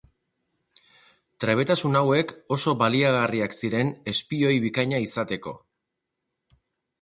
Trebetasun hauek oso baliagarriak ziren espioi bikaina izateko.